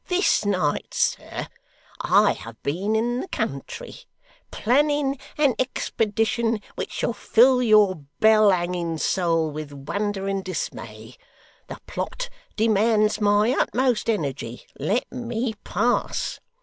'This night, sir, I have been in the country, planning an expedition which shall fill your bell hanging soul with wonder and dismay. The plot demands my utmost energy. Let me pass!